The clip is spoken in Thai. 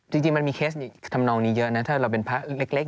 จริงมันมีเคสทำนองนี้เยอะนะถ้าเราเป็นพระเล็ก